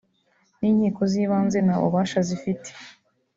n’inkiko z’ibanze nta bubasha zifite